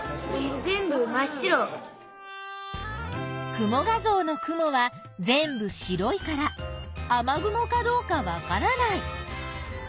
雲画像の雲は全部白いから雨雲かどうかわからない。